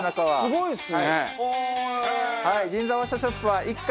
はい。